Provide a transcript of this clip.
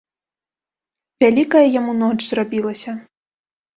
Вялікая яму ноч зрабілася.